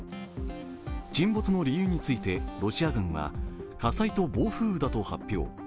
沈没の理由についてロシア軍は火災と暴風雨だと発表。